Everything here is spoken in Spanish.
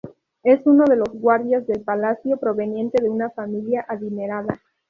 Es uno de los guardias del palacio, proveniente de una familia adinerada.